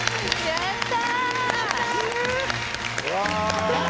やった！